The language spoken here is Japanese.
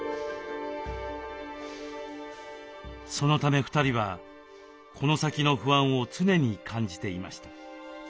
そのため２人はこの先の不安を常に感じていました。